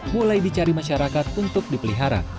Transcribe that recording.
mulai dicari masyarakat untuk dipelihara